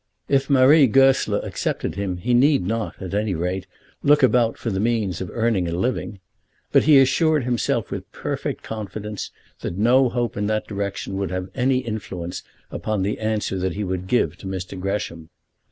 If Marie Goesler accepted him, he need not, at any rate, look about for the means of earning a living. But he assured himself with perfect confidence that no hope in that direction would have any influence upon the answer he would give to Mr. Gresham.